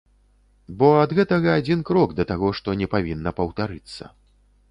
Бо ад гэтага адзін крок да таго, што не павінна паўтарыцца.